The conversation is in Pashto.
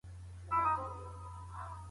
مکناتن د ستونزو سره مخ شو.